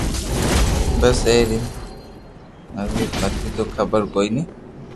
بس اي ري مري مني تو حبر ڪوئي ني